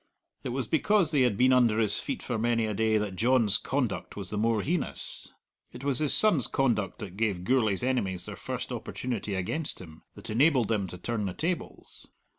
It was because they had been under his feet for many a day that John's conduct was the more heinous. It was his son's conduct that gave Gourlay's enemies their first opportunity against him, that enabled them to turn the tables.